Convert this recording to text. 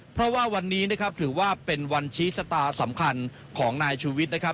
เพราะว่าวันนี้นะครับถือว่าเป็นวันชี้ชะตาสำคัญของนายชูวิทย์นะครับ